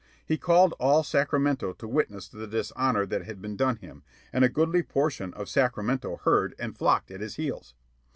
He called all Sacramento to witness the dishonor that had been done him, and a goodly portion of Sacramento heard and flocked at his heels.